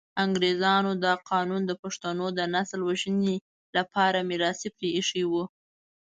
انګریزانو دا قانون د پښتنو د نسل وژنې لپاره میراث پرې ایښی وو.